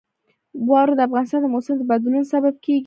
واوره د افغانستان د موسم د بدلون سبب کېږي.